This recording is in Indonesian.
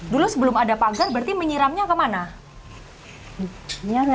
dulu sebelum ada pagar berarti menyiramnya kemana